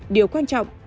điều quan trọng